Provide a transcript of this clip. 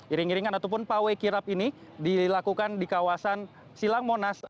iring iringan ataupun pawai kirap ini dilakukan di kawasan silang monas